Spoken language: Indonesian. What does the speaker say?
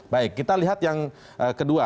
baik kita lihat yang kedua